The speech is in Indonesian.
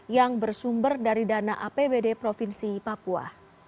yang bersumber dari dana apbd provinsi papua